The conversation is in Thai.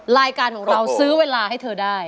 รายการของเราซื้อเวลาให้เธอได้